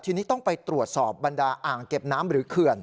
ทีนี้ต้องไปตรวจสอบบรรดาอ่างเก็บน้ำหรือเขื่อน